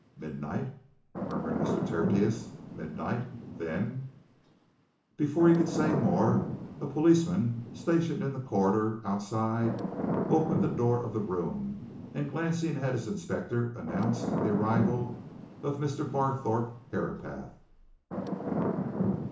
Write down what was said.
"Midnight!" murmured Mr. Tertius. "Midnight? Then " Before he could say more, a policeman, stationed in the corridor outside, opened the door of the room, and glancing at his inspector, announced the arrival of Mr. Barthorpe Herapath.